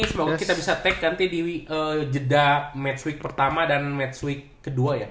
semoga kita bisa take nanti di jeda match week pertama dan match week kedua ya